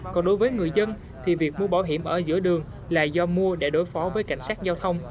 còn đối với người dân thì việc mua bảo hiểm ở giữa đường là do mua để đối phó với cảnh sát giao thông